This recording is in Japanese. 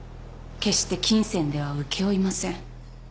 決して金銭では請け負いません。